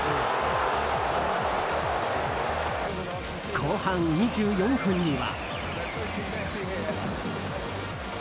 後半２４分には。